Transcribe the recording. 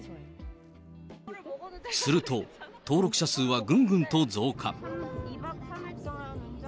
すると、登録者数はぐんぐんと増加。